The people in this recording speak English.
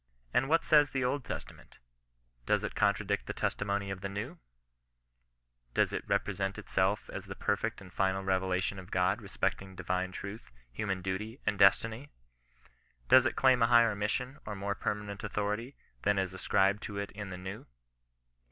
And what says the Old Testament ? Does it contra dict the testimony of the New ] Does it represent itself as the perfect and final revelation of God respecting divine truth, human duty, and destiny 1 Does it claim a higher mission, or more permanent authority, than is ascribed to it in the New